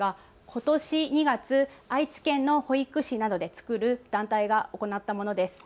ことし２月、愛知県の保育士などで作る団体が行ったものです。